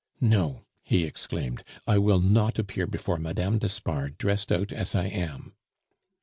"No," he exclaimed, "I will not appear before Mme. d'Espard dressed out as I am."